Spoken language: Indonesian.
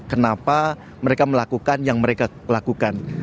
kenapa mereka melakukan yang mereka lakukan